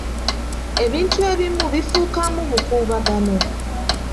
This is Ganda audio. Ebintu ebimu bifuukamu bukuubagano.